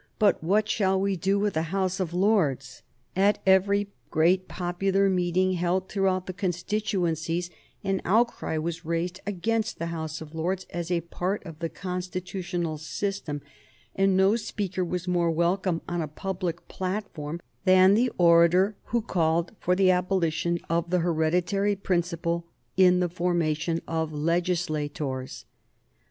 but what shall we do with the House of Lords? At every great popular meeting held throughout the constituencies an outcry was raised against the House of Lords as a part of the constitutional system, and no speaker was more welcome on a public platform than the orator who called for the abolition of the hereditary principle in the formation of legislators.